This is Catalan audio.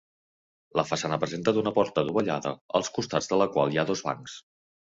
La façana presenta d'una porta dovellada als costats de la qual hi ha dos bancs.